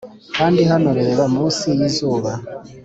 kandi hano reba munsi yizuba